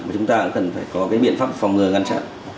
và chúng ta cũng cần phải có cái biện pháp phòng ngừa ngăn chặn